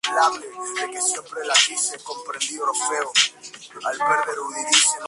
Se cataloga como una enfermedad rara de carácter hereditario autosómico dominante.